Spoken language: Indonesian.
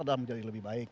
kadang menjadi lebih baik